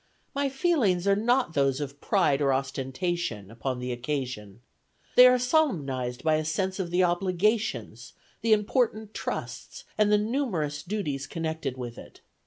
My feelings are not those of pride or ostentation, upon the occasion. They are solemnized by a sense of the obligations, the important trusts, and numerous duties connected with it.